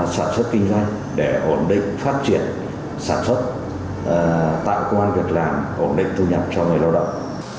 sản xuất kinh doanh để ổn định phát triển sản xuất tạo công an việc làm ổn định thu nhập cho người lao động